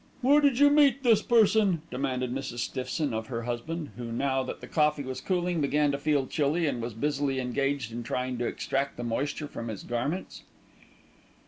"Where did you meet this person?" demanded Mrs. Stiffson of her husband, who, now that the coffee was cooling, began to feel chilly, and was busily engaged in trying to extract the moisture from his garments.